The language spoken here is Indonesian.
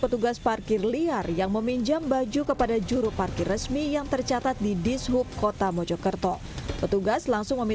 enggak saya udah keluar saya udah matiin terus ke sana terus saya masuk lagi